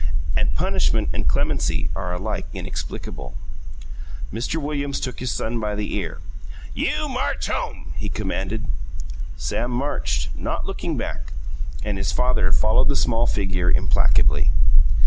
And punishment and clemency are alike inexplicable. Mr. Williams took his son by the ear. "You march home!" he commanded. Sam marched, not looking back, and his father followed the small figure implacably.